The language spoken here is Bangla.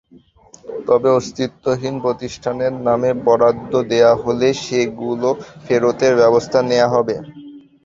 তবে অস্তিত্বহীন প্রতিষ্ঠানের নামে বরাদ্দ দেওয়া হলে সেগুলো ফেরতের ব্যবস্থা নেওয়া হবে।